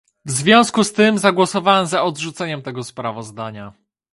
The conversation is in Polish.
W związku z tym zagłosowałem za odrzuceniem tego sprawozdania